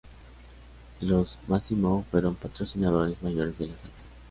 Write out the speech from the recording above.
Los Massimo fueron patrocinadores mayores de las artes.